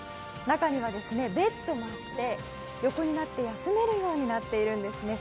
中には、ベッドがあって横になって休めるようになっているんです。